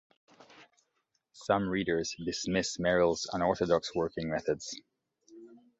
Some readers dismiss Merrill's unorthodox working methods.